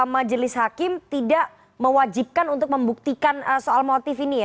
majelis hakim tidak mewajibkan untuk membuktikan soal motif ini ya